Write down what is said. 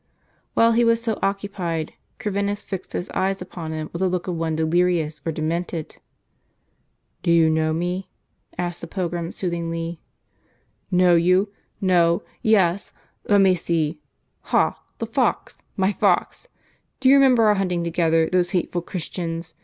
While he was so occupied, Corvinus fixed his eyes upon him with a look of one delirious, or demented. " Do you know me ?" asked the pilgrim, soothingly. "Know you? No — yes. Let me see — Ha! the fox! my fox ! Do you remember our hunting together those hateful Christians.